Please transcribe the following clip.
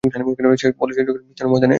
ফলে সে চাচ্ছিল যুদ্ধ বিস্তীর্ণ ময়দানে হোক।